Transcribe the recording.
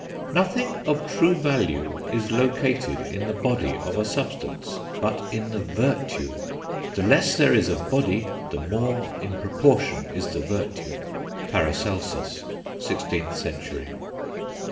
"Nothing of true value is located in the body of a substance, but in the virtue ... the less there is of body, the more in proportion is the virtue." (Paracelsus, 16th century.)